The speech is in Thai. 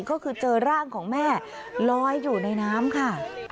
ก็คือเจอร่างของแม่ลอยอยู่ในน้ำค่ะ